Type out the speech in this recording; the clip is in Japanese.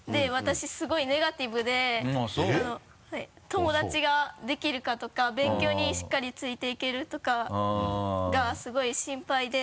友達ができるかとか勉強にしっかりついていけるとかがすごい心配で。